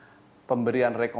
apalagi terhadap pemberian remisi